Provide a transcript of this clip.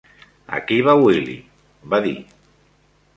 "Aquí va Willie", va dir.